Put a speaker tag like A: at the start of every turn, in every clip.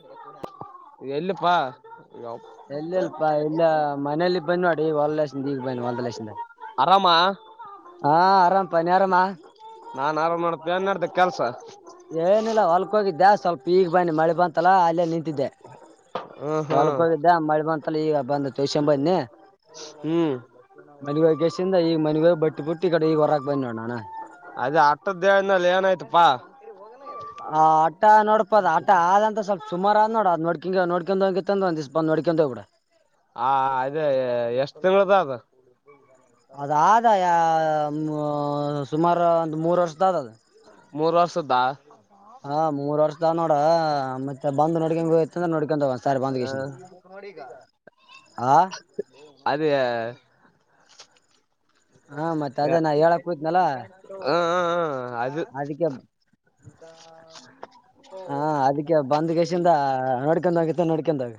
A: ಹ ಕೂಡ
B: ಎಲ್ಲ ಅಲ್ಪಾ ಇಲ್ಲ ಮನೇಲಿ ಬಂದವಾಡ ಈ ಹೊಲ್ಲಸ ಈಗ ಬನ್ವಾ ಮಂದುಲ ಲಕ್ಷದ
A: ಆರಾಮಾ
B: ಹಾ ಆರಾಮ ಪನ ಆರಾಮ
A: ನಾನ್ ಆರಾಮ್ ಮಾಡತ ಏನ್ ಮಾಡಡ್ದ ಕೆಲ್ಸ
B: ಏನಿಲ್ಲ ಹೊಲ್ಕ್ ಹೋಗಿದ್ದ್ಯಾ ಸ್ವಲ್ಪ ಈಗ ಬನ್ನಿ ಮಳೆ ಬಂತಲ್ಲಾ ಅಲ್ಲೇ ನಿಂತ ಿದ್ದೆ
A: ಹ್ಮ
B: ಹೊಲ್ಕ್
A: ಹ್ಮ್
B: ಹೋಗಿದ್ದೆ ಮಳಿ ಬಂತಲ್ಲ ಈಗ ಬಂದ ಚೋಸಂಬನ್ನಿ
A: ಹ್ಮ್
B: ಮಲ್ಲಿಗ ಗಸಿಂದ ಈಗ ಮನಗ ಬಟ್ಟಿ ಬುಟ್ಟಿ ಈ ಕಡೆ ಈಗ ಹೊರಕ್ ಬಂದಿ ನೋ ನಾನ
A: ಅದು ಆ ಅಧ್ಯ ಉಾಯತ್ಪ್ಪ
B: ಆ ಆಟ ನೋಡಪದ ಆಟ ಆದಂತ ಸ್ವಲ್ಪ್ ಸುಮಾರ ಆದ ನೋಡ ಅ್ ನೋಡ್ಕಿಂಗ ನೋ ಕೆತ್ತಂತಪಂದು ಅಡಿಕಂತ ಕೂಡ
A: ಹ ಅದೇ ಎಷ್ಟ್ ತಿಂಳದ ಅದು
B: ಅದ ಸುಮಾರು ಒಂದು ಮೂರ್ ವರ್ಷ ದ
A: ಮೂರ್ ವರ್ಷದ್ದ
B: ಹ ಮೂರ್ ವರ್ಷದ ನೋಡ ಮತ್ತೆ ಬಂದು ನೋಡ್ೊಂಡಗೆ ಹಯ ನೋಡ್ಕೊಂಡ
A: ಹ
B: ಆ
A: ಅದೇ ಹ
B: ಹಾ ಮತ್ತ ಅದೇ ನಾ ಹೇಳಕ್ ಕೂತ್ನಲ್ಲ
A: ಹಾ ಅದು
B: ಅದಕ್ಕೆ
A: ಇತ್ತ
B: ಹಾ ಅದಕ್ಕೆ ಬಂದ್ಗೇಶಿಂದ ನೋಡ್ಕೊಂಡ ಹೋಗತ್ತ ನೋಡ್ಕೊಂಡಾಗ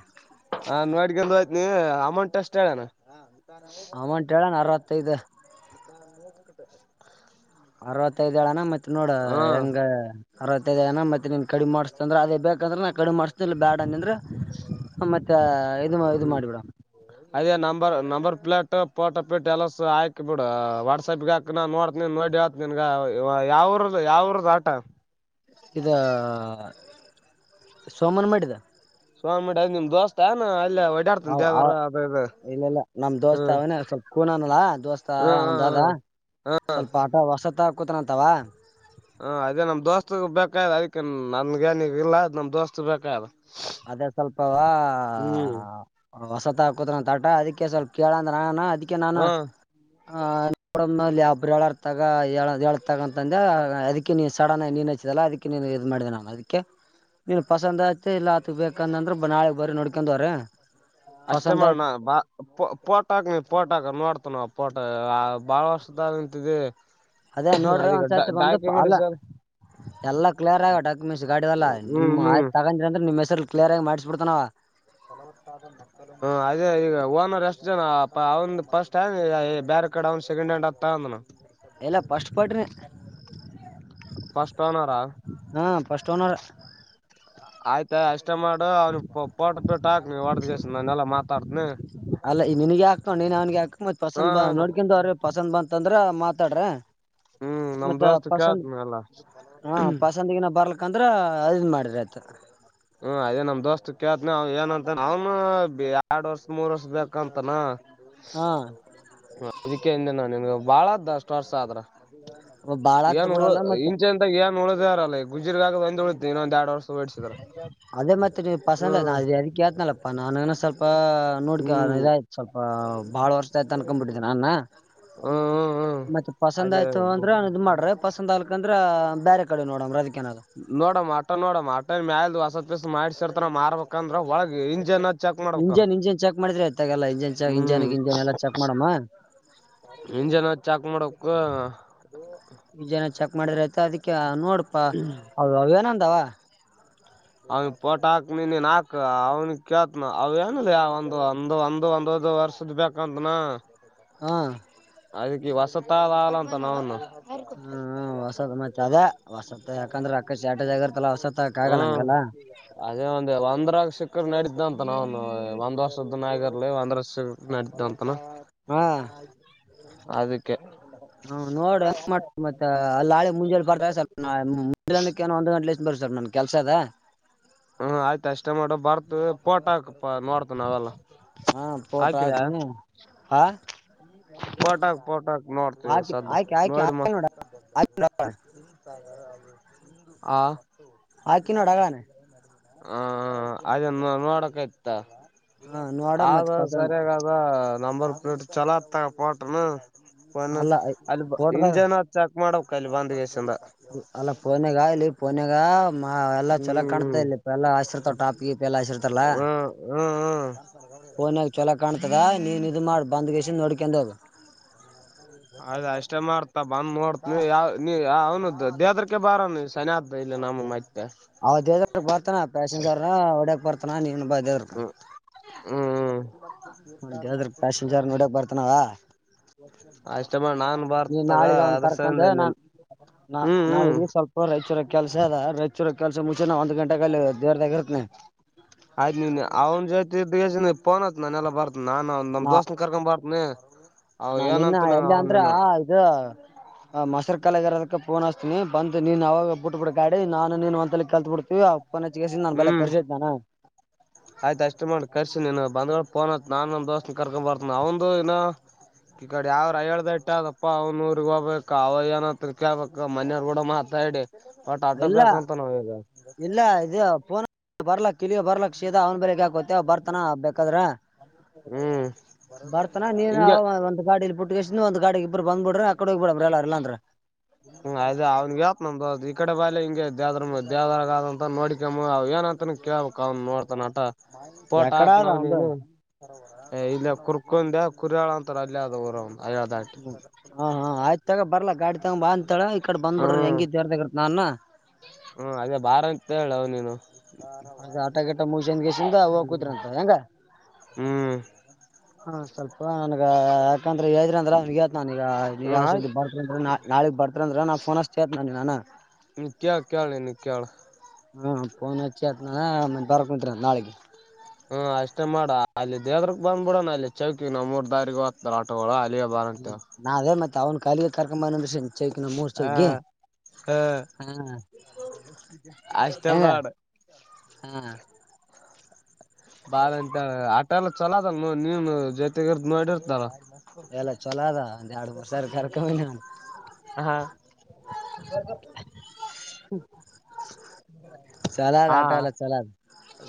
A: ಹ ನೋಡ್ಗ ಹಯ್ತ ನೀ ಅಮೌಂಟ್ ಎಷ್ಟ್ ಹೇಳಣ
B: ಅಮಂ ಹೇಳಣ ಅರವತ್ತು
A: ಅದಾ ನೋದದೆ
B: ಅರವತ್ತೈದ್ ಳನಾ ಮತ್ತ್ ನೋಡ
A: ಹ
B: ಹೆಂಗ ಅರತದೇನ ಮತ್ತ ನೀನ್ ಕಡಿಮ ಮಾಡತ ಅ್ರ ಅದ ಬೇಕಂದ್ರ ನ ಕಡಿಿ ಮಾಡ್ತತಿಿಲ್ಲ ಬ್ಯಾಡ ಅನ ಅ್ರೆ ಇದು
A: ಹ್ಮ
B: ಮಾಡಿಬಿಡ
A: ಅದ ನಂಬರ್ ನಂಬರ್ ಪ್ಲೇಟ್ ಪೋಟೋ ಪಿಟ್ ಎಲ್ಲ ಹಯಕ ಬಿಡು ವಾಟ್ಸಪ್ಗ ಹಾಕ ನ ನೋಡ್ತಿ ನೋಡಿತ್ನ್ಗ ಯಾವ್ರದ್ದ ಯಾವ್ರದ ಆಟ
B: ಇದ ಸೋಮನ್ ಮಾಡಿದ
A: ಸೊಮ್ಯಡ ಅದು ನಿಮ್ ದೋಸ್ತಾ ಇ ಓಡಾಡ್ತ ಅ
B: ಇಲ್ಲ ಇಲ್ಲ ನಮ್
A: ಹ
B: ದೋಸ್ತ ಅವನೇ ಸ್ವಲ್ಪ ಕೂನನಲ್ಲ ದೋಸ್ತ
A: ಹ
B: ಅವಂದದ
A: ಹಾ
B: ಸ್ವಲ್ಪ ಆಟ ವಸತ್ತ ಹಾಕತನ ಅಂತಾವ
A: ಹ ಅದೇ ನಮ ದೋಸ್ತ್ ಬೇಕ್ ಅದಕ್ಕೆ ನನ್ಗ ಏನಗ ಇಲ್ಲ ಅ್ ನಮ್ ದೋಸ್ತ್ ಬೇಕ್
B: ಅದೇ ಸ್ವಲ್ಪವಾ ಹೊಸತ್ ಹಾಕುದ್ರ ತಾಟ ಅದಿಕ್ಕೆ ಅದಕ್ಕೆ ಸ್ವಲ್ಪ ಕೇಳಂದ್ರೆ ನಾನ ಅದಕ್ಕೆ ನಾನು
A: ಹ್ಮ
B: ಆ ನೋಡಲ್ಲಿಬ್ರು ಹೇಳರ್ತಾಗ ಹೇಳತಗ ಅಂತಂದ ಅದಕ್ಕೆ ನೀ ಸಡನ್ ಆಗಿ ನೀನ್ ಅದಕ್ಕೆ ಇ ಮಾಡಿದೆ ಅದಕ್ಕೆ ನೀನು ಪಸಂದ ಆಯತ ಇಲ್ಲ ಇ ಬೇಕಂದಂದ್ರ ಬನಳೆ ಬಂದ ನೋಡ್ಕೊಂಡವ್ರ
A: ಅಷ್ಟೇ ಮಾಡಣ ಬಾಫೋಟಾಕ್ ನೀ ಪೋಟಟ್ ಹಾಕ ನೋಡ್ತಾನ ಪೋಟ ಬಾಳ ವರ್ಷದ ಅಂತಿದೆ
B: ಅದೇ ನೋಡ್ರಿ ಒಂದ್ಸೈತಿ ಒಂದು ಅಲ್ಲ
A: ಸರ್
B: ಎಲ್ಲ ಕ್ಲಿಯರ್ ಆಗ ಡಾಕ್ಯುಮೆಂಟ್ಸ್ ಗಾಡಿೆಲ್ಲ
A: ಹ್ಮ್
B: ನಿಮ್ಮ
A: ಹ್ಮ್
B: ಆಯ್ ತಗೊಂಡಿ ಅಂದ್ರ ನಿಮ್ಮ ಹೆಸರು ಕ್ಲಿಯ ಆಗ ಮಾಡಿಸ್ಬ ಬಿಡ್ತಾನವ
A: ಹ ಅದೇ ಈಗ ಓಮರ್ ಜ ಅವ್ನ್ ಫಸ್ಟ್ ಹ್ಯಂಡ್ ಬೇರೆ ಕಡೆ ಅವನು ಸೆಕೆಂಡ್ ಹ್ಯಾಂಡ್ ಹತ್ತಂದನ
B: ಎಲ್ಲ ಪಸ್ಟ್ ಪಡ್ರಿ
A: ಫಸ್ಟ್ ಹನಾರಾ
B: ಹಾ ಫಸ್ಟ್ ಓನರ್
A: ಆಯ್ತು ಷ್ಟ ಇಷ್ಟ ಮಾಡು ಅವ್ನ ಪೋಟ ಬಿಟ್ಟಾಕ್ ನೀ ಹೊಡದಗೆಸ ನಾನೆಲ್ಲಾ ಮಾತಾಡ್ತನಿ
B: ಅಲ್ಲ ಈ ನನ್ಗ ಹಾಕೊಂಡ ನೀನ್ ಅವನ್ಿಗೆ ಹಾಕ ಮತ್
A: ಹಾ
B: ಪಸಂದ ಬ ನೋಡ್ಕೊಂಡು ಅವ್ರ ಪಸಂದ್ ಬಂತ ತಂದ್ರ ಮಾತಾಡ್ರ
A: ಹ್ಮ್ ನಮ್
B: ಮತ್ತ
A: ದೋಸ್ತ್
B: ಪಸಂದ್
A: ಕೇಳ್ತನಲ್ಲ
B: ಹಾ ಪಸಂದಗಿನ ಬರ್ಲ ಕಂದ್ರೆ ಅದು ಮಾಡಿರತ
A: ಹ್ಮ್ ಅದೇ ನಮ್ ದೋಸ್ತ್ ಕೇತನ ಅವ ಏನಂತ ಅವನು ಎರಡ್ ವರ್ಷ ಮೂರ್ ವರ್ಷ ಬೇಕಂತನ
B: ಹಾ
A: ಇದಕ್ಕೆ ನ ನಿನ್ಗ ಬಾಳದ್ದಷ್ಟ ವರ್ಸ ಆದ್ರ
B: ಬಾಳ ಆತ್
A: ಏನ್ ಉಳು
B: ಬಿಡಲ್ಲ ಮತ್
A: ಇಂಚೆಂತಾಗ ಏನ್ ಉಳ್ದಾರಲ್ಲಲ್ಲಿ ಗುಜಿರ್ಗ ಆಗ ಒಂದ ಉಳಿತ ಇನ್ನೊಂದ್ ಎರಡ್ ವರ್ಷ ಿಸಿದಿದ್ದಾರೆ
B: ಅೇ ಮತ್ೆ ನೀ ಪಸಂದ ನಾ ಅ ಅದಕ್ಕೆೇತನಲ್ಲಪ್ಪ ನಾನು ಸ್ವಲ್ಪ ಸ್ಪ ನೋಡ್ಕ
A: ಹ್ಮ್
B: ಇದಾಯ್ತ್ ಸ್ವಲ್ಪ ಬಾಳ ವರ್ಷಯತ ಅನ್ಕೊ್ಬಿಟ್ಟಿದನ ಅನ್ನ
A: ಹ್ಮ್ ಹ್ಮ್
B: ಮತ್ತೆ ಪಸಂದ
A: ಅದೇ
B: ಆಯ್ತು ಅಂದ್ರನ್ ಇದ್ ಮಾಡ್ರಿ ಪಸಂದ್ ಆಲ್ಕ ಅಂದ್ರ ಬೇರೆ ಕಡೆ ನೋಡಂಗ್ರ ಅದ
A: ನೋಡಮ್ಮ ಆಟ ನೋಡಮ್ಮ ಆಟ ಮ್ಯಲ್ ಹಸಸ್ ಮಾಡಸರ್ತ ಮಾರ್ಬೇಕಂದ್ರ ಒಳಗ ಇಂಜನ್ ಚೆಕ್ ಮಾಡ್ಬೇಕಲ್ಲ
B: ಇಂಜಿನ್ ಇಂಜಿನ್ ಚೆಕ್ ಮಾಡಿದ್ರೆ ಇತ್ತಾಗೆಲ್ಲಾ ಇಂಜನ್ ಚಕ್ ಇಂಜನ್
A: ಹ್ಮ್
B: ಇಂಜಿನ್ ಎಲ್ಲಾ ಚೆಕ್ ಮಾಡಮ್ಮ
A: ಇಂಜನ್ ಚಾಕ್ ಮಾಡಕ್
B: ಇಂಜನ್ ಚೆಕ್ ಮಾಡಿದ್ರ ಆಯ್ತ ಅದಕ್ಕೆ ನೋಡಪಾ ಅವ್ಯಾನಂದವ
A: ನೀ ನಾಕು ಅವ್ನ ಕೇತ ಅವೇನದ ಒಂದು ಒಂದು ಒಂದು ಒಂದ ಒ ವರ್ಷದ ಬೇಕಂತ ಹಾ
B: ಹಾಂ
A: ಅದಕ್ಕೆ ವಸತಾದ ಆಾಲಂತ ನವುಣ
B: ಹಾ ಹ ಹೊಸದ ಮತ್ತೆ ಅದ ಹೊಸತ್ತ ಯಾಕಂದ್ರೆ ಅಕ್ಕ ಆಟಜ್ ಆಗರ್ತ್ತಲ್ಲ ಹೊಸತ್ ಹಾಕ ಆಗಲ್ಲ ಹಂಗಲ್ಲ
A: ಒಂದ ಒಂದರಾಗ ಶಕ್ಕರ್ ನಡತ ಅಂತ ನಾವ ಒಂದು ಒಂದ್ ವರ್ಷದ ನಗ ಲ್ಲ ಒಂದ್ರಸ್ ನಡತ ಅಂತನ
B: ಹಾ
A: ಅದಕ್ಕೆ
B: ಹ್ ನೋಡ್ರ ಮಾಡ ಮತ್ತೆ ಅ ಹಾಿ ಮುಂಜೆ ಪರ್ ಮುಂಜೆ ಒಂದ್ ಗಂಟೆಷ್ಟ ಬರ ಸರ್ ನನ್ನ ಕೆಲಸ ಅದ
A: ಹ್ಮ ಆಯ್ತ ಅಷ್ಟೇ ಮಾಡೋ ಬರ್ತ ಪೋಟ ಹಾಕಪ್ಪ ನೋಡ್ತ ನಾವೆಲ್ಲ
B: ಹಾ ಫೋಟೋ
A: ಹಾಕಿದ್ಯಾ
B: ಹಾಕ್ನಿ ಹಾ
A: ಪೋಟಾಕ್ ಪೋಟಕ್ ನೋಡ್ತ ಈಗ
B: ಹಾಕಿ
A: ಸ್ದ
B: ಹಾಕಿ ಹಾಕಿ
A: ನೋಡಿಮೂ
B: ಹಾಕಿ ನೋಡ
A: ಆ
B: ಹಾಕಿ ನೋಡ ಆಗನೆ
A: ಹ ಅದ ನೋಡಕಯ್ತ
B: ಹ ನೋಡ
A: ಅದ
B: ಮತ್ ಪಸಂದ್
A: ಸರಿಯಾಗದ ನಂಬರ್ ಪ್ಲೇಟ್ ಚಲೋ ತ ಪೋಟ್ನು
B: ಅಲ್ಲ
A: ಅಲ್ಲಿ
B: ಫೋಟೋದಾಗ
A: ಇಂಜನ್ ಚಕ್ ಮಾಡ ಅಲ್ಲಿ ಬಂದಕೆಸಿಂದ
B: ಅಲ್ಲ ಪನಗ ಇಲ್ಲಿ ಪನಾಗ ಎಲ್ಲ ಚೊಲೋ
A: ಹ್ಮ್
B: ಕಾಣ್ತ ಇಲ್ಲಿ ಇ ಎಲ್ಲಾ ಹಸಿರ್ತಾವ ಟಾಪಿಗೆ ಇ ಎಲ್ಲ ಹಸಿರ್ತಲ್ಲ
A: ಹ್ಮ್ ಹ್ಮ್ ಹ್ಮ್
B: ಫೋನ್ಾಗ ಚೊಲೋ ಕಾಣ್ತದ ನೀನು ಇದು ಮಾಡ ಬಂದ್ಗೇಸ ನೋಡ್ಕಂಡೋಗ
A: ಅದ ಅಷ್ಟ ಮಾರತ ಮತ್ತ ಬಂದ್ ನೋಡ್ತ ನೀ ಯಾವ ನೀ ಅವ್ನದದು ದೇದ್ರೆ ಬರ ನೀ ಸನಯ ಇಲ್ಲಿ ನಮ ಮತ್ತೆ
B: ಅವ ದೇ ಬರ್ತಾನ ಪ್ಯಾಸೆಂಜರ್ ಒಡಕ್ ಬರ್ತಾನ ನೀವ ಬ ದೇವರ್ಕಾ ಬರ್ತಾನವ
A: ಅಷ್ಟಮ ನಾ
B: ನೀ
A: ಬಾರ್ತಗ
B: ನಾಳಿಗೆ ಅವ್ನ್
A: ಅದ್ರ [unintelligible]
B: ಕರ್ಕಂದ
A: ನೀನು
B: ನಾನ್ ನಾ ನಾಳ ಸ್ವಲ್ಪ ರೈಚೂರ ಕೆಲ್ಸ ಅದ ರೈಚೂರ ಕೆಲ್ಸ ಮುಂಚೆನ ಒಂದ್ ಗಂಟೆಗ ಅ ದೇವರತಾಗ ಇರ್ತೀನಿ
A: ಆಯ್ತು ನೀನ್ ಅವ್ನ ಜೊತಿ ಇದ ಪೋನ್ತ್ ನಾನಲ್ಲ ಬರ್ತನ ನನ್ ಅವ ನಮ ದೋಸ್ತನ ಕರ್ಕೊ ಬರ್ತನಿ ಅವ
B: ನಾನ ಇನ್ನ
A: ಏನಂತ
B: ಎಲ್ಲಿ ಅಂದ್ರ
A: ಅವನನ
B: ಇದು ಮೈಸೂರು ಕಾಲೇಜು ಇರೋದಕ್ಕ ಪಫೋನ್ ಅಷ್ಟ ನೀ ಬಂದಿ ನೀನ್ ಅವಾಗ ಬಿಟ್ಬಿಡ್ ಗಾಡಿ ನಾನು ನೀನ್ ಒಂದಂತಲ್ಲಿ ಕಲ್ತ್ ಬಿಡ್ತೀವಿ ಫೋನ್ ಹಚ್ಚಿ ನಾನ ಬಲ್ಲ ಕರ್ಸಯ್ತಾನಾ
A: ಆಯ್ತಾ ಅಷ್ಟು ಮಾಡಿ ಕರ್ಸಿ ನೀನು ಬಂದ ಫೋನ್ ಹಾಕು ನಾ ನಂದ ದೋಸ್ತ್ನ ಕರ್ಕೊ ಬರ್ತನ ಅವನು ಇನ ಈ ಕಡೆ ಯಾವ್ರ ಏಳು ಬೆಟ್ಟ ಅದಪ್ಪ ಅವ್ನೂಊರ್ಗ್ ಹೋಗ್ಬೇಕಕ್ ಅವ ಏನತ್ರ ಕೇಳ್ಬೇಕ ಮನೆಯವರ್ ಕೂಡ ಮಾತಾಡಿ ಹ ಟಾಟಾ
B: ಇಲ್ಲ
A: ಬೆಕ್ ಅಂತ ನಮಿಗೆ
B: ಇಲ್ಲಿಗ ಬರ್ಲಕ್ಷೀದ ಅವ್ನ್ ಬೇಗ್ ಹಾಕೋತ್ತ ಅವ ಬರ್ತಾನ ಬೇಕಾದ್ರ
A: ಹ್ಮ್
B: ಬರ್ತಾನ ನೀನ್
A: ಹಿಂಗೆ
B: ಅವ ಒಂದ್ ಗಾಡಿಲಿ ಪುಟ್ಟಗಿಸ ಒಂದ ಗಾಡಿ ಇಬ್ಬಬ್ರ ಅಕಡೆ ಹೋಗ್ಬೇಡನ ಎಲ್ಲ ಎಲ್ಲ ಅಂದ್ರ
A: ಹ್ಮ ಆಯ್ದ ಅವನ್ಗೆತ್ ನಮ್ದ ಅದಿ ಈ ಕಡೆ ಬಾಲಿ ಹಿಂಗೆ ದೇವ್ರ ದೇವದ್ರಗ ಆದಂತ ನೋಡಿಕಮ್ಮ ಅವ್ ಏನ ಅಂತಾನ ಕೇಳ್ಬೇಕಕ್ ಅವ ನೋಡ್ತಾನ ಅಟ ಪೋಟ
B: ಯಾಕಡ
A: ಹಾಕ್
B: ಅದ
A: ನೋಡು
B: ಅವಂದು
A: ನೀನು ಇಲ್ಲ ಕುರ್ಕೊಂಡಬೇಕು ಕುರಿಯಾಳ ಅಂತಾರೆ ಅಲ್ಲಿ ಅದು ಊರು
B: ಹ ಹಾ ಆಯ್ತ ತಗ ಬಲ್ಲ ಗಾಡಿ ತಗಬ ಅಂತಳ ಈ ಕಡೆ ಬಂದ್ ಬಿಡ್ರಿ ಹೆಂಗಿದ್ರೂ ತೋಟದಲ್ಲಿ ನನ್ನ
A: ಹ್ಮ ಅದೇ ಬಾರ ಅಂತ ಹೇಳ ಅವ ನೀನು
B: ಅದ ಆಟಗಿಟ ಮುಗಿಸ್ಕಂದ ಗಿಸ್ಕಂದ ಹೋಗ ಕೂದ್ರಂತ ಹೆಂಗ
A: ಹ್ಮ್
B: ಹಾ ಸ್ವಲ್ಪ ನನ್ಗ ಯಾಕಂದ್ರ ಹೇಳಿದ್ರಂದೆ ನನ್ ಈಗ ನೀ
A: ಹ್ಮ್ ಆಯ್ತು
B: ಯಾವ ಬರ್ತೀನಿ ನಾಳೆ ಬರ್ರ ಅಂದ್ರ ನನ್ನಾ ಫೋನ್ ಹಚ್ಚಿ ನಾನ
A: ಇಲ್ಲಿ ಕೇಳ ಇಲ್ಲಿ ಕೇಳ್
B: ಹ್ಮ ಫೋನ್ ಹಚ್ಚಿ ಆತ್ನ ಮ ಬರ್ಕೊಂತರ ನಾಳಿಗೆ
A: ಹ್ಮ ಅಷ್ಟೇ ಮಾಡ ಅಲ್ಲಿ ದೇವ್ರಕ್ ಬಂದ್ಬಿಡಣ ಅಲ್ಲಿ ಚೌಕಿ ನಾವ್ ಮೂರ್ ದಾರಿಗೆಗ್ ಹೊತ [unintelligible] ಅಲ್ಲಿಗೆ ಬಾರಂತೆ
B: ನಾವೇ ಅವ್ನ ಮತ್ ಕಾಲಿ ಕರ್ಕೊಂಡ್ ಬಾ ಏಂದ [unintelligible] ಮೂರು
A: ಹಾ
B: [unintelligible]
A: ಹ
B: ಹ್ಮ್
A: ಅಷ್ಟೇ
B: ಹೆಂಗ
A: ಬಾಡ
B: ಹ್ಮ್
A: ಬಾಳ ಅಂತ ಆಟ ಎಲ್ಲ ಚಲೋದಲ್ ನೀನು ಜೊತೆಗಿರ್ ನೋಡಿರ್ತಲ್ಲ
B: ಎಲ್ಲ ಚಲೋದ ಒಂದ ಎರಡು ವರ್ಷ ಕರ್ಕ
A: ಹಾ
B: ಚಲೋ ಅದ
A: ಹಾ
B: ಆಟೋ ಎಲ್ಲ ಚಲೋ ಅದ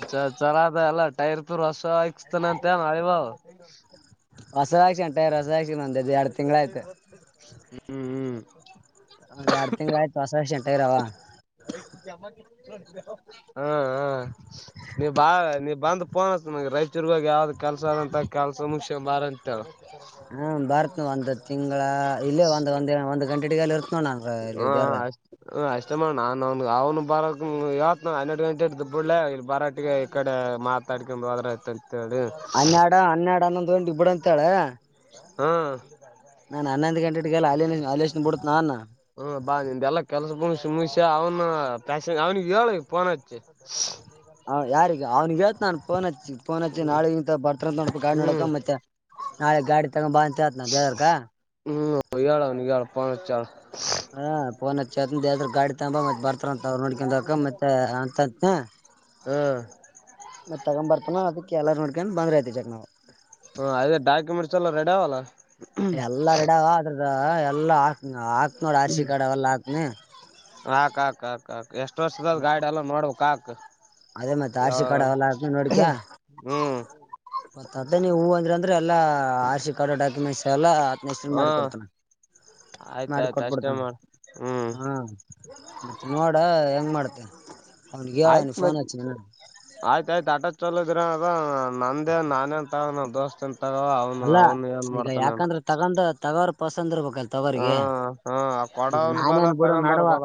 A: ಚಲೋ ಆದ ಎಲ್ಲ [unintelligible] ಹೊಸ ಇಕ್ಸ್ತಾನ ಅಂತ ಅ ಬಾವ
B: ಹೊಸದಾಕ್ಷಿ ಅಂಟೆ ರಸದಾಕ್ಷಿ ಬಂದಿದ್ದು ಎರಡು ತಿಂಗಗಳ ಆಯ್ತು
A: ಹ್ಮ್ ಹ್ಮ್
B: ಒಂದು ಎರಡ್ ತಿಂಗ್ಳ ಆಯ್ತು ಹೊಸ ಶ ಎಂಟಗರಾವ
A: ಹಾ ಹಾ ನೀ ಬಾ ನೀ ಬಂದ ಫೋನ್ ಹಚ್ಚು ಮಗ ರೈಚರ್ಗಾಗ ಯಾವ್ದು ಕೆಲಸ ಅಂತ ಕಲಸ ಮುಗಿಸಿಕೊಂಡುಬಾರ ಅಂತೇಳ
B: ಹ್ಮ ಬರ್ತ್ ಒಂದ್ ತಿಂಗಳ ಇಲ್ಲೇ ಒಂದ್ ಒಂದ ಒಂದ್ ಗಂಟೆ ಅಲ್ಲಿ ಇರ್ತ
A: ಹು ಹೂ ಆಯ್ತು [unintelligible] ನಾನು ಅವನಿಗೆ ಅವ್ನು ಬರೋಕ್ಕೆ ನೀನು ಹನ್ನೆರಡು ಗಂಟೆ ಬಿಟ್ಬಿಡ್ಲ ಇಲ್ಲಿ ಬರಾಟ್ಟಿಗೆ ಈ ಕಡೆ ಮಾ ತಕೊಂಡಂಬದ್ರತ
B: ಹನ್ನೆಡ ಹನ್ನೆರಡ ಅನ್ನೊಂದ ಗಂಟೆ ಗೆ ಬಿಡು ಅಂತೇಳ
A: ಹ್ಮ
B: ನಾನ್ ಹನ್ನೊಂದು ಗಂಟೆಟ್ಟಗೆಲ್ಲ [unintelligible] ಬಿಡು ನಾನ
A: ಹ್ಮ ಬಾ ನಿಂದ ಎಲ್ಲಾ ಕೆಲ್ಸ ಮುಗ್ಸಿ ಮುಗ್ಸಿ ಅವ್ನ ಪ್ಯಾಸೆಂ ಅವ್ನಿಗೆ ಹೇಳು ಫೋನ್ ಹಚ್ಚಿ
B: ಹ ಯಾರಿಗೆಗ ಅವ್ನಿಗೆ ಹೇಳ್ತೀನಿ ನಾನ್ ಫೋನ್ ಹಚ್ಚಿ ಫೋನ್ ಹಚ್ಚಿ ನಾಳೆಗಿಂತ ಬರ್ತಂತ ನೋಡ್ ಗಾ
A: ಹ್ಮ್
B: ನೋಡಕ ಮತ್ತೆ ನಾಳೆ ಗಾಡಿ ತಗೊ ಬ ಅಂತ ಹೇಳ್ತಿನಿ ಡ್ರೈವರ್ಕ
A: ಹ್ಮ ಯಳ ನೀ ಯಳ ಪ ಚಲ್
B: ಹ ಪೋನ್ ಹ ಗಾಡಿ ತಂಬ ಮತ್ತತ್ ಬರ್ತ ತ್ರಂತ ಅವ್ರು ನೋಡ್ಕಕ ಮತ್ತೆ ಅಂತ
A: ಹ್ಮ್
B: ಮತ್ತ ತಗೊ ಬರ್ತಾನ ಅದಕ್ಕೆ ಎಲ್ಲಾರ ನೋಡ್ಕೊಂಡ್ ಬಂದ್ ಐತಿ ಚಕ್ ನಾವ್
A: ಹ ಅದ ಡಾಕ್ಯುಮೆಂಟ್ಸ್ ಎಲ್ಲ ರೆಡಿ ಆಲ್ಲ
B: ಎಲ್ಲ ರಡಾವ ಅದ್ರದ ಎಲ್ಲಾ ಹಾಕ್ ಹಾಕ್ ನೋಡಿ ಆರ್ಸಿ ಕಾಡೆ ಅವಲ್ಲ ಹತನೇ
A: ಕಾಕ್ ಕಾಕ್ ಕಾಕ್ ಎಷ್ಟ್ ವರ್ಷದ ಗಾಡಿ ಎಲ್ಲಾ ನೋಬೇಕು ಕಾಕ್
B: ಅದೇ ಮತ್
A: ಯ
B: ಆರ್ ಸಿ ಕಾರ್ಡ್ ಅವೆಲ್ಲ
A: ಹ್ಮ್
B: ಮತ್ತ ಅದೇ ನೀ ಹೂ ಅಂದ್ರ ಅಂದ್ರೆ ಎಲ್ಲಾ ಆರ್ಶಿ ಕಾರ್ಡ್ ಡಾಕ್ಯುಮೆಂಟ್ಸ್ ಎಲ್ಲಾ
A: ಹ
B: ಮಾಡಿ ಕೊಡ್ತಾನ ಮಾಡಿ
A: ಆಯ್ತಾಯ್ತು ಅಷ್ಟೇ
B: ಕೊಟ್ಬಿಡ್ತೇನ
A: ಮಾಡ ಹ್ಮ್
B: ಹಾ ಮ ನೋಡ ಹೆಂಗ ಮಾಡತೇ
A: ಆಯ್ತ ಮತ್ತ ಆಯ್ತ ಆಯ್ತ ಆಟಾ ಚಲಕ್ ಇದ್ರ ಅದ ನಂದೇ ನಾನೇ ಅಂತ ನ ದೋಸ್ತ್ ಅಂತ
B: ಅಲ್ಲ ಈಗ ಯಾಕಂದ್ರೆ ತಗೊಂಡ ತಗೋರ್ ಪಸಂದ ಇರ್ಬೇಕಲ್
A: ಹ
B: ತಗೋಿಗೆ
A: ಹಾ
B: ಇದು
A: ಕೊಡವನ್ ಬಲ
B: ನಾನೇನು ಗೂಡ
A: ತಗೊಂಡವ್ರ
B: ನಡುವ
A: ಬಲ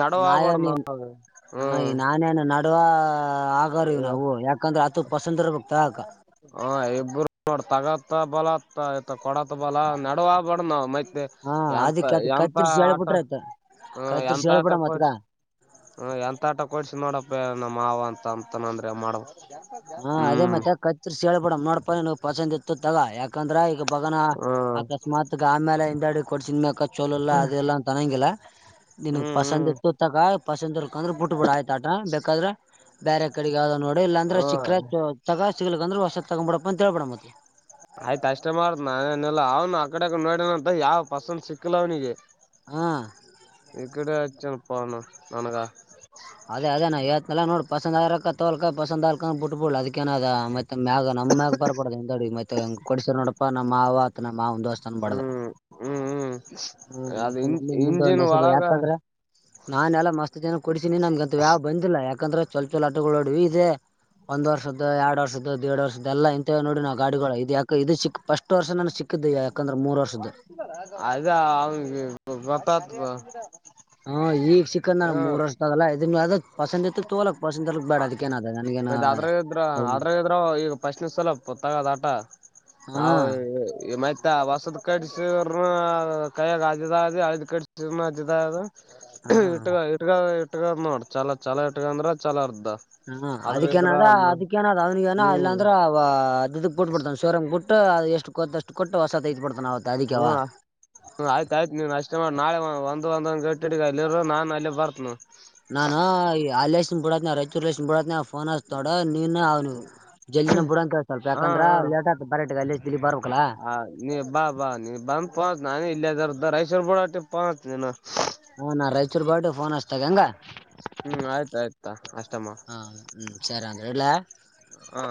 A: ನಡುವ ಆಗ್ಬಾರ್ದ
B: ನಾವೇನ
A: ನಾವ್
B: ಹ
A: ಹ್ಮ್
B: ನಾನೇನು ನಡುವ ಆಗ ನಾವು ಯಾಕಂದ್ರೆ ಅತ ಪಸಂದ
A: ಹ ಇಬ್ಬರು ಮಾಡತಗತ್ ತ್ತ ಬಲತ್ತ ಇತ ಕೊಡತ್ ಬಲ ನಡವ ಬಡ ನಾವ್ ಮೈ
B: ಹಾ
A: ಎಂತ
B: ಅದಕ್ಕೆ ಅದ್
A: ಎಂತ
B: ಕತ್ರಿಸಿ
A: ಆಟ
B: ಹೇಳ್ಬಿಟ್ರ ಆಯ್ತ
A: ಹ
B: ಕತ್ರಿಸಿ
A: ಎಂತ ಆಟ
B: ಹೇಳ್ಬಿಡಮ್
A: ಕೊಡ
B: ಅತ್ಗ
A: ಹ ಎಂತ ಆಟ ಕೊಡ್ಸ ನೋಡಪ್ಪ ನಮ್ಮ ಮಾವ ಅಂತ ಅಂತನಂದ್ರ ಮಾಡ ಹ್ಮ್
B: ಸೇಳ್ಬಿಡ ನೋಪ ನೀವು ಪಸಂದ್ ಇತ್ತು ತಗ ಯಾಕಂದ್ರೆ ಈಗ ಬಗನ
A: ಹ್ಮ್
B: ಅಕಸ್ಮಾತ್ಗ ಆಮೇಲೆ ಹಿಂದಾಡಿ ಕೊಡ್ಸನ್ ಮಕ ಚೋಲ ಎಲ್ಲ ಅದೆ ಎಲ್ಲ ಅ ತನ್ನಂಗಿಲ್ಲ ನಿನ
A: ಹ್ಮ್
B: ಪಸಂದ
A: ಹ್ಮ್
B: ಇತ್ತು ತಕ ಪಸಂದಿ ಇರ್ಕಂದ್ರೆ ಬಿಟ್ಟ ಬಿಡ ಆಯ್ತ ಆಟ ಬೇಕಾದ್ರೆ ಬೇರೆ ಕಡೆಗ್ ಯಾವ್ದದ್ ನೋಡ ಇಲ್ಲಾಂದ್ರೆ
A: ಹ್ಮ್
B: ಸಿಕ್ಕ್ರ ತಗ ಸಿಗಲಕ್ಂದ್ರ ವರ್ಷ ತಗೊಂಬ ಬಿಡಪ್ಪ ಅಂತ ಹೇಳಳ್ಬೇಡ ಮತ್ತ
A: ಆಯ್ತ ಅಷ್ಟೇ ಮಾಡತ ನಾನನಲ್ಲ ಅವ್ನು ಆ ಕಡೆಗ ನೋಡನ ಅಂತ ಯಾವ್ ಪಸಂದ ಸಿಕ್ಕಿಲ್ಲ ಅವ್ನಿಗೆ
B: ಹಾ
A: ಈ ಕಡೆಚನ ಪಣ ನನಗಾ
B: ಪಸಂದ ಆಕ್ಕ ತೋಲ್ಕ ಪಸಂದ ಆಳ್ಕ ಬಿುಬುಡ್ ಅದಕ್ಕಏನಾದದ ಮೆ ಮ್ಯಾಗ ನಮ್ಗ ಬರಬಡದುದಡ ಮತ್ತ ಕೊಡಸರ್ ನೋಡಪ್ಪಾ ನಮ್ಮ್ ಆವ ಆತನ ನ ಹಿಂದಸ್ತಾನ ಬಡದ
A: ಹ್ಮ್ ಹ್ಮ್ ಹ್ಮ್
B: ಹ್ಮ
A: ಅದು
B: ಮತ್ತೆ
A: ಇಂ
B: ನಮ್ಮಗ್ ಮುಂದೆ ಒಂದ
A: ಇಂಜಿನ್
B: ಹೆಸಬ
A: ಒಳಗ
B: ಯಾಕಂದ್ರೆ ನಾನ ಎಲ್ಲಾ ಮಸ್ತ್ ಜನ ಕೊಡಿಸೀನಿ ನಮ್ಗೆಂತ ಯಾವ್ ಬಂದಿಲ್ಲ ಯಾಕಂದ್ರೆ ಚೊಲ ಚೋಲ ಆಟಗಳೋಡವಿ ಇದೆ ಒಂದ್ ವರ್ಷದ ಎರಡ್ ವರ್ಷದ್ದ ದೇಡ್ ವರ್ಷದ ಎಲ್ಲ ಇಂತೇ ನೋಡಿ ನಾವು ಗಾಡಿಗಳು ಇದ ಯಾಕೆ ಇದು ಸಿಿಕ್ಫಸ್ಟ್ ವರ್ಷ ನ
A: ಅಯದಾ ಅವ ಬತತ್
B: ಹಾ ಈಗ ಚಿಕನ್ ನ ಮೂರ್ ವರ್ಷದಾಗಲ್ಲಾ ಇದನ್ ಅದ ಪಸಂದಿತ್ ತೋಲಕ್ ಪಸಂದಲಕ್ ಬೇಡ ಅದಕ್ಕ ಏನ ಅದ ನನಗೇನ
A: ಮತ್ತೆ ಅದ್ರಾಗ ಗೊತ್ತಾಗದ ಆಟ ನಾವವು ಹೊಸದ್ ಕಡಿಸರುನು ಕೈಯಾಗ ಅಜದದು ಅಳಿದ್ ಕಡಿಸ ಅದದು
B: ಹಾ
A: ಇಟ್ಗ ಇಟ್ಗ ಇಟ್ಕ ನೋಡ ಚಲ ಚಲ ಇಟ್ಕ ಅಂದ್ರ ಚಲ ಅರ್ದ
B: ಹಾ ಅದಕ್ಕೇನದ ಅದಕ್ಕೇನ ಅ ಅವ್ನಗ ಏ
A: ಹ್ಮ್
B: ಇಲ್ಲಾಂದ್ರ ಅದದಕ್ ಪಟ್ಬ ಬಿಡ್ತಾನ ಶೋರಮ ಕೊಟ್ಟು ಅದು ಎಷ್ಟು ಕೊಷ್ಟು ಕೊಟ್ಟ ಹೊಸ ತೈಡ್
A: ಹ್ಮ್ ಆಯ್ತ ಆಯ್ತು ನೀವ್ ನಷ್ಟ ಮಾಡ್ ನಾಳೆ ಒಂದ ಒಂದೊಂದ್ ಗಟ್ಟಿಗೆ ಅಲ್ಲಿರ ನಾನು ಅಲ್ಲಿ ಬರ್ತನ
B: ನಾನು ಅಲ್ಲಿಷ್ಟನ್ ಬಿಡಾತ್ನ ರಾಯಚೂರ್ಷ್ಟ ಬಿಡತ್ನ ಫೋನ್ ಹಾಸ್ತೋಡ ನೀನು ಅವ್ನು ಜಲ್ದಿನ ಬಿಡಂತೇಳ ಸ್ವಲ್ಪ
A: ಹಾ
B: ಯಾಕಂದ್ರ ಲೇಟ್ ಆತ ಬರಗ ಅಲ್ಲಿಷ್ಟಗ್ ಬರ್ಬೇಕಕ್ಲಾ
A: ಹ ನೀ ಬಾ ಬಾ ನೀ ಬಾ ಪಾ ನಾನ ಇಲ್ಲ ಜರ ದರಐಶ್ವರ ಬುಡಟೆ ಪಾಚ್ ನನು
B: ಹಾ ನಾನ್ ರಾಯಚೂರ್ ಬಾ ಫೋನ್ ಹಚ್ತಾಗ ಹಂಗ
A: ಹ್ಮ್ ಆಯ್ತ ಆಯ್ತಾ ಅಷ್ಟಮ್ಮ
B: ಹ ಹ್ಮ್ ಸರಿ ಅಂದ್ರ ಇಡ್ಲಾ
A: ಹಾ